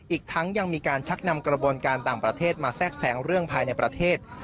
อีกทั้งยังมีการชักนำกระบวนการต่างประเทศมาแทรกแสงเรื่องภายในประเทศ